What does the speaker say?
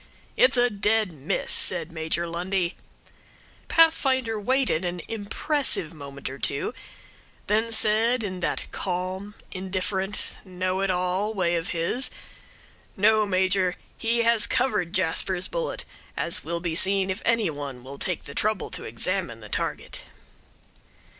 "It's a dead miss," said Major Lundie. Pathfinder waited an impressive moment or two; then said, in that calm, indifferent, know it all way of his, "No, Major, he has covered Jasper's bullet, as will be seen if any one will take the trouble to examine the target."